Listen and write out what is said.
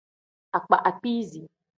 Akpa akpiizi.